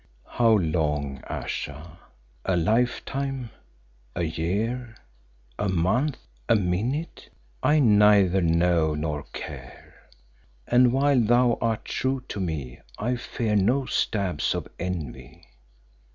"How long, Ayesha? A lifetime, a year, a month, a minute I neither know nor care, and while thou art true to me I fear no stabs of envy."